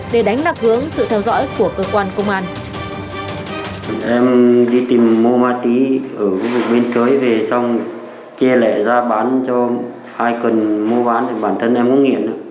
để đánh lạc hướng sự theo dõi của cơ quan công an